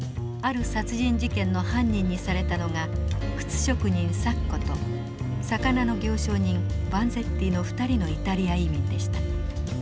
ある殺人事件の犯人にされたのが靴職人サッコと魚の行商人バンゼッティの２人のイタリア移民でした。